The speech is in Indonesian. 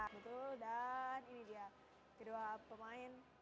betul dan ini dia kedua pemain